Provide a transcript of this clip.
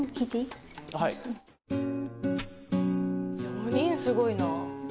４人すごいな。